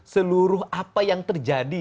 seluruh apa yang terjadi